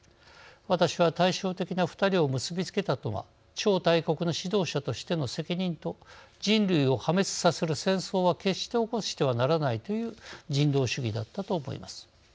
私は対照的な２人を結び付けたのは超大国の指導者としての責任と人類を破滅させる戦争は決して起こしてはならないという人道主義だったと思います。